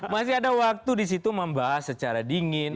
masih ada waktu di situ membahas secara dingin